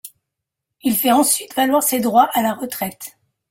Il fait ensuite valoir ses droits à la retraite.